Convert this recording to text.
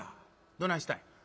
どないしたん？